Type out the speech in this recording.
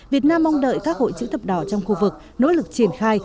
việt nam mong đợi các hội chữ thập đỏ trong khu vực nỗ lực triển khai